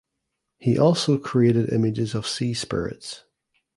He also created images of sea spirits.